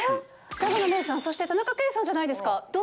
永野芽郁さん、そして田中圭さんじゃないですか。